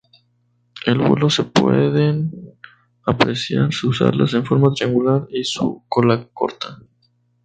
En vuelo se pueden apreciar sus alas en forma triangular y su cola corta.